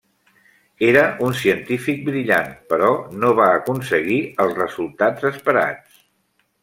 Era un científic brillant, però no va aconseguir els resultats esperats.